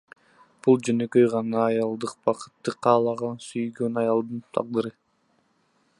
Бул жөнөкөй гана аялдык бакытты каалаган сүйгөн аялдын тагдыры.